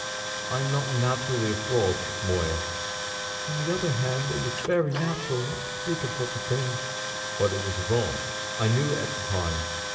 I am not naturally a fraud, Moya." "On the other hand, it was very natural not to speak of such a thing." "But it was wrong. I knew it at the time.